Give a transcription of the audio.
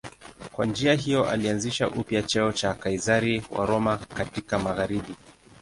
Kwa njia hiyo alianzisha upya cheo cha Kaizari wa Roma katika magharibi.